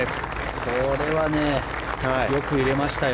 これはよく入れましたよ。